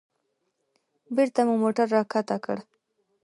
بېرته مو موټر راښکته کړ.